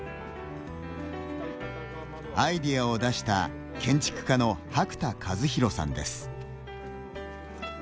アイデアを出した建築家の白田和裕さんです。